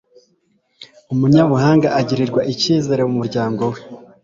umunyabuhanga agirirwa icyizere mu muryango we